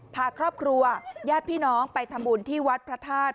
พาครอบครัวญาติพี่น้องไปทำบุญที่วัดพระธาตุ